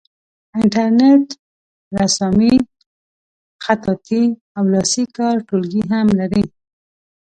انټرنیټ رسامي خطاطي او لاسي کار ټولګي هم لري.